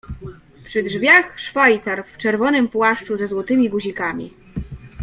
Przy drzwiach szwajcar w czerwonym płaszczu ze złotymi guzikami.